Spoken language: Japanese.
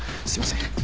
すいません。